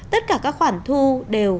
tất cả các khoản thu đều